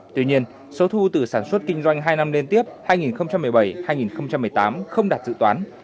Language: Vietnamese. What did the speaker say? tuy nhiên số thu từ sản xuất kinh doanh hai năm liên tiếp hai nghìn một mươi bảy hai nghìn một mươi tám không đạt dự toán